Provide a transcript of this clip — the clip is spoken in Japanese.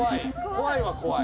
怖いは怖い。